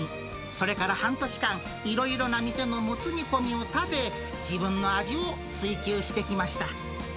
それから半年間、いろいろな店のもつ煮込みを食べ、自分の味を追求してきました。